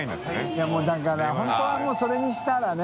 いもうだから本当はもうそれにしたらね。